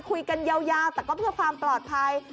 คุยกันยาวแต่ก็เพื่อความปลอดภัย